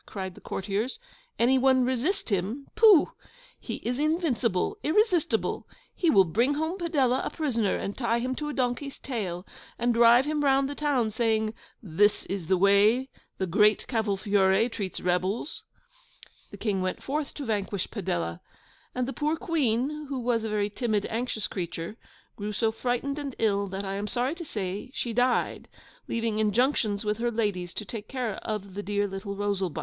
cried the courtiers; 'any one resist HIM? Pooh! He is invincible, irresistible. He will bring home Padella a prisoner, and tie him to a donkey's tail, and drive him round the town, saying, "This is the way the Great Cavolfiore treats rebels."' The King went forth to vanquish Padella; and the poor Queen, who was a very timid, anxious creature, grew so frightened and ill that I am sorry to say she died; leaving injunctions with her ladies to take care of the dear little Rosalba.